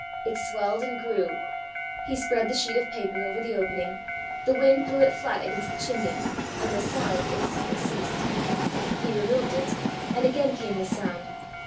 It swelled and grew. He spread the sheet of paper over the opening, the wind blew it flat against the chimney, and the sound instantly ceased. He removed it, and again came the sound.